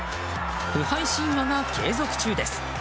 不敗神話が継続中です。